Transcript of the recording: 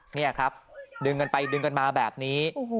นี่ครับดึงกันไปดึงกันมาแบบนี้